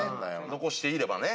残していればね。